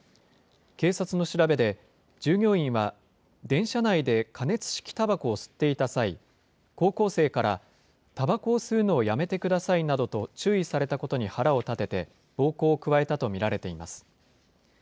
警察の調べで、従業員は電車内で加熱式たばこを吸っていた際、高校生から、たばこを吸うのをやめてくださいなどと注意されたことに腹を立てて、暴行を加えたと見られています。